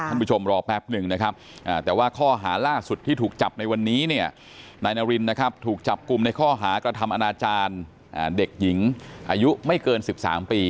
ผู้ชมรอแป๊บหนึ่งนะครับแต่ว่าข้อหาล่าสุดที่ถูกจับในวันนี้เนี่ยนายนารินนะครับถูกจับกลุ่มในข้อหากระทำอนาจารย์เด็กหญิงอายุไม่เกิน๑๓ปี